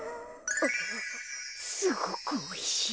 すごくおいしい。